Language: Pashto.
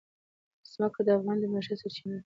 ځمکه د افغانانو د معیشت سرچینه ده.